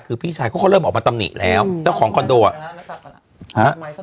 คือพี่ชายเขาก็เริ่มออกมาตำหนิแล้วเจ้าของคอนโดอ่ะ